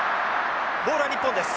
ボールは日本です。